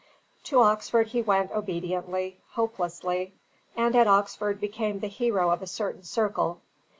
To Oxford he went obediently, hopelessly; and at Oxford became the hero of a certain circle.